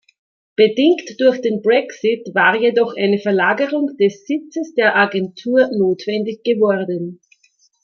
Bedingt durch den Brexit war jedoch eine Verlagerung des Sitzes der Agentur notwendig geworden.